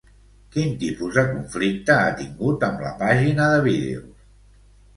Quin tipus de conflicte ha tingut amb la pàgina de vídeos?